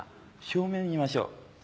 正面見ましょう。